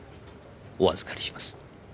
お預かりします。